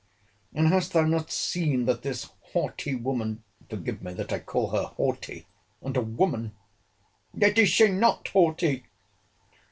And hast thou not seen, that this haughty woman [forgive me that I call her haughty! and a woman! Yet is she not haughty?